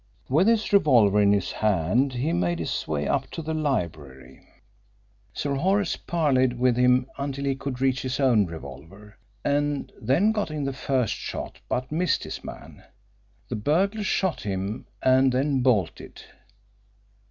With his revolver in his hand he made his way up to the library. Sir Horace parleyed with him until he could reach his own revolver, and then got in the first shot but missed his man. The burglar shot him and then bolted.